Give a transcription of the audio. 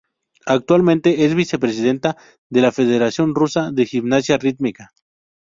Actualmente es vicepresidenta de la Federación Rusa de Gimnasia Rítmica.